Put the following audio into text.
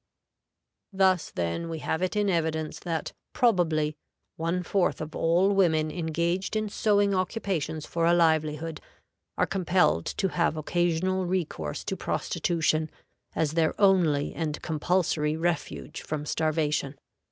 Thus, then, we have it in evidence that "probably" one fourth of all women engaged in sewing occupations for a livelihood are compelled to have occasional recourse to prostitution as their only and compulsory refuge from starvation.